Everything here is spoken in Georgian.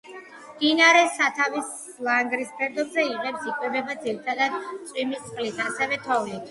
მდინარე სათავეს ლანგრის ფერდობზე იღებს, იკვებება ძირითადად წვიმის წყლით, ასევე თოვლით.